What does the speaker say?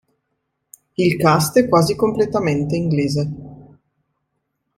Il "cast" è quasi completamente inglese.